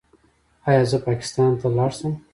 ایا زه پاکستان ته لاړ شم؟